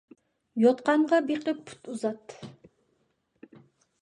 يوتقانغا بېقىپ پۇت ئۇزات.